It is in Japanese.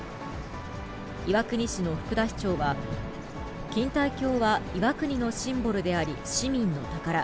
岩国市の福田市長は、錦帯橋は岩国のシンボルであり、市民の宝。